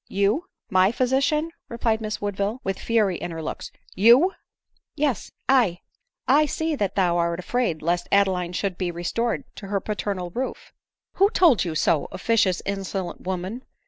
" xou, my physician ?" replied Miss Woodville, with fury in her looks ;—" You ?" "Yes — I— I see that thou art afraid lest Adeline should be restored to her parental roof. "Who told you so, officious, insolent woman?"